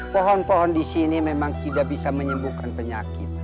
pohon pohon disini memang tidak bisa menyembuhkan penyakit